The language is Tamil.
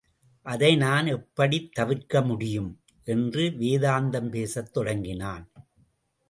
அதை நான் எப்படித் தவிர்க்கமுடியும்? என்று வேதாந்தம் பேசத் தொடங்கினான்.